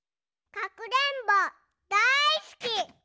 かくれんぼだいすき！